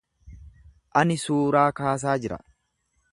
Ani suuraa kaasaa jira.